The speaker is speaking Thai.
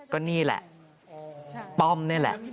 ก็นี่แหล่ะปอมเนี่ยแหล่ะ